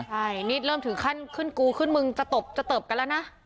ใช่นี่เริ่มถึงขั้นขึ้นกูขึ้นมึงจะตบจะเติบกันแล้วนะ